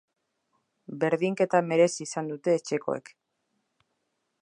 Berdinketa merezi izan dute etxekoek.